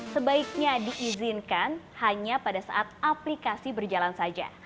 sebaiknya diizinkan hanya pada saat aplikasi berjalan saja